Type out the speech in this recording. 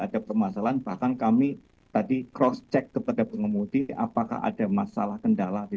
ada permasalahan bahkan kami tadi cross check kepada pengemudi apakah ada masalah kendala di